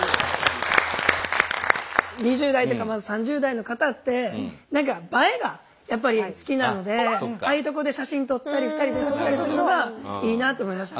２０代とか３０代の方って何か映えがやっぱり好きなのでああいうとこで写真撮ったり２人で写ったりするのがいいなと思いました。